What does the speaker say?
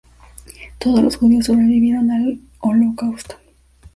Todos los judíos sobrevivieron al Holocausto.